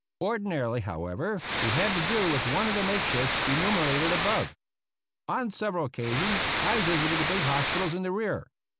Ordinarily, however, we had to do with one of the makeshifts enumer ated above. On several occasions I visited the big hos pitals in the rear.